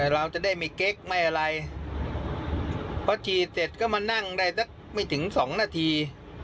เราจะได้ไม่เก๊กไม่อะไรเพราะฉีดเสร็จก็มานั่งได้สักไม่ถึงสองนาที